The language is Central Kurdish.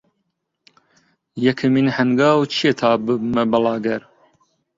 یەکەمین هەنگاو چییە تا ببمە بڵاگەر؟